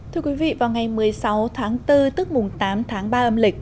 thưa quý vị vào ngày một mươi sáu tháng bốn tức mùng tám tháng ba âm lịch